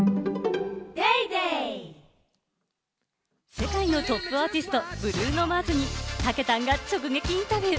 世界のトップアーティスト、ブルーノ・マーズにたけたんが直撃インタビュー。